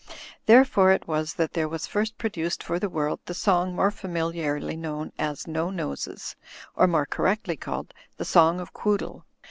Therefore it was that there was first produced for the world the song more familiarly known as ''No Noses," or more correctly called "The Song of Quoodle."